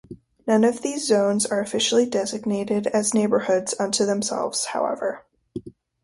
None of these zones are officially designated as neighbourhoods unto themselves however.